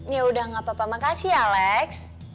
yaudah gak apa apa makasih ya lex